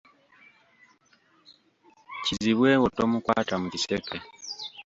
Kizibwe wo tomukwata mu kiseke.